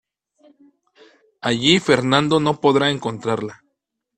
Allí Fernando no podrá encontrarla.